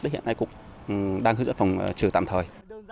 đấy hiện nay cục đang hướng dẫn phòng trừ tạm thời